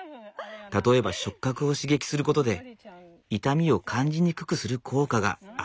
例えば触覚を刺激することで痛みを感じにくくする効果があるのだそう。